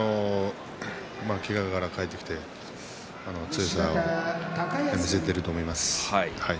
けがから帰ってきて強さを見せていると思います。